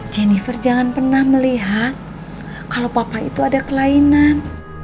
jennifer jangan pernah melihat kalau papa itu ada kelainan